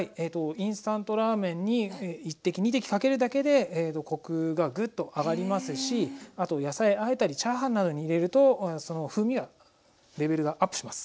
インスタントラーメンに１滴２滴かけるだけでコクがグッと上がりますしあと野菜あえたりチャーハンなどに入れるとその風味がレベルがアップします。